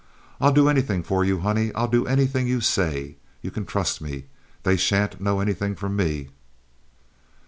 I'll do anything for you, honey! I'll do anything you say. You can trust me. They sha'n't know anything from me."